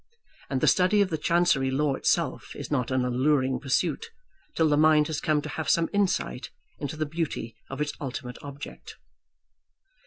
And the study of the Chancery law itself is not an alluring pursuit till the mind has come to have some insight into the beauty of its ultimate object.